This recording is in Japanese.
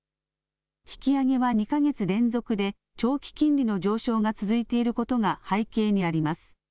引き上げは２か月連続で、長期金利の上昇が続いていることが背景にあります。